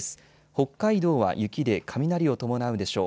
北海道は雪で雷を伴うでしょう。